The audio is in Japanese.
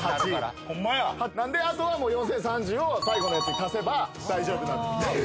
なんであとは４，０３０を最後のやつに足せば大丈夫っていう。